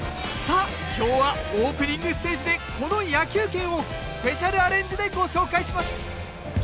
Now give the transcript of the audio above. さあ今日はオープニングステージでこの「野球拳」をスペシャルアレンジでご紹介します。